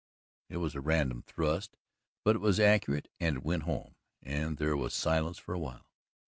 It was a random thrust, but it was accurate and it went home, and there was silence for a while.